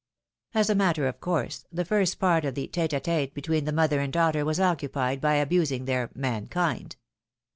As a matter of course, the first part of the tete a tete be tween the mother and daughter was occupied by abusing their mankind.